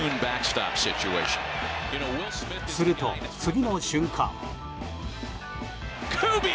すると、次の瞬間！